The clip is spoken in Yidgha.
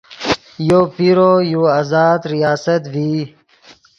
یو پیرو یو آزاد ریاست ڤئی